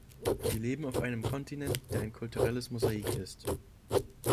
Wir leben auf einem Kontinent, der ein kulturelles Mosaik ist.